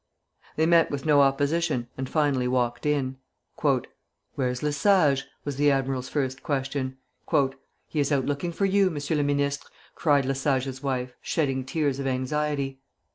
They met with no opposition, and finally walked in. "Where's Le Sage?" was the admiral's first question. "He is out looking for you, M. le Ministre," cried Le Sage's wife, shedding tears of anxiety.